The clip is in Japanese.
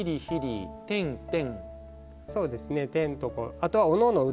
あとはおのおの。